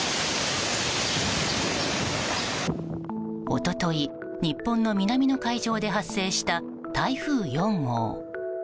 一昨日、日本の南の海上で発生した台風４号。